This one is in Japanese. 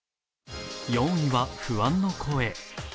４位は、不安の声。